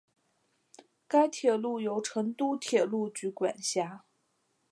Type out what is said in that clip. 该铁路由成都铁路局管辖。